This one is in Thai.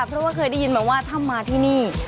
เพราะว่าเคยได้ยินมาว่าถ้ามาที่นี่